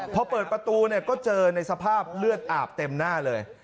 พอเปิดประตูก็เจอในสภาพเลือดอาบเต็มหน้าเลย